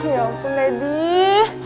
ya ampun lady